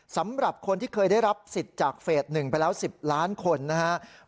สำหรับคนที่เคยได้รับสิทธิ์จากเฟส๑ไปแล้ว๑๐ล้านคนนะครับ